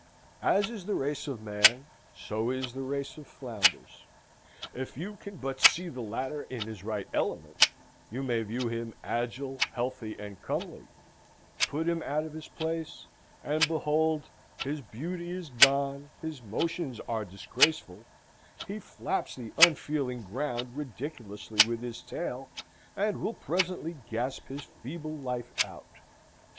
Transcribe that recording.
As is the race of man, so is the race of flounders. If you can but see the latter in his right element, you may view him agile, healthy, and comely: put him out of his place, and behold his beauty is gone, his motions are disgraceful: he flaps the unfeeling ground ridiculously with his tail, and will presently gasp his feeble life out.